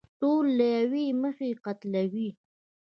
ټول له يوې مخې قتلوي.